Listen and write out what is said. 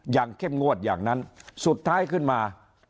เข้มงวดอย่างนั้นสุดท้ายขึ้นมา